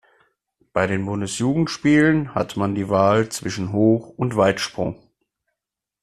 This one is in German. Bei den Bundesjugendspielen hat man die Wahl zwischen Hoch- und Weitsprung.